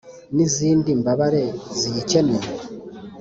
N Izindi Mbabare Ziyikeneye